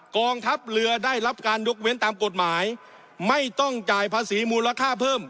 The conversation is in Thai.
กองทัพเรือได้รับการยกเว้นตามกฎหมายไม่ต้องจ่ายภาษีมูลค่าเพิ่ม